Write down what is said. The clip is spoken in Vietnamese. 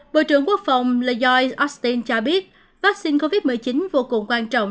bộ trưởng quốc phòng lay austin cho biết vaccine covid một mươi chín vô cùng quan trọng